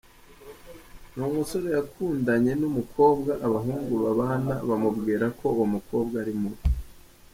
Ni umusore yakundanye n’ umukobwa abahungu babana bamubwira ko uwo mukobwa ari mubi.